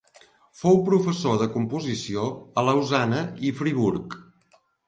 Fou professor de composició a Lausana i Friburg.